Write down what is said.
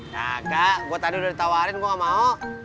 gak gua tadi udah tawarin gua gak mau